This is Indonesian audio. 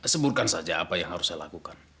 sebutkan saja apa yang harus saya lakukan